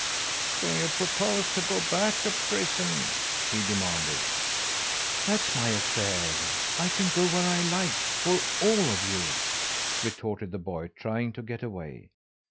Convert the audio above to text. "Do you propose to go back to prison?" he demanded. "That's my affair. I can go where I like, for all of you!" retorted the boy, trying to get away.